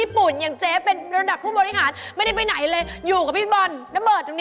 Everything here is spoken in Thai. โอ๊ยตุลานี้เจ๊ไปแค่โดนเมืองแล้วลงที่สุวรรณภูมิ